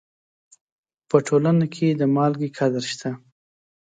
په ټولنه کې د مالګې قدر شته.